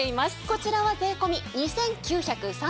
こちらは税込２９３０円です。